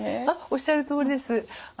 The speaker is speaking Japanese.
あっおっしゃるとおりです。